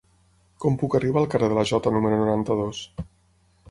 Com puc arribar al carrer de la Jota número noranta-dos?